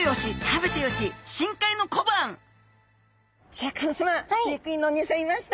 シャーク香音さま飼育員のおにいさんいました。